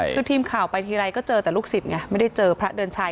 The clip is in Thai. คือทีมข่าวไปทีไรก็เจอแต่ลูกศิษย์ไงไม่ได้เจอพระเดือนชัย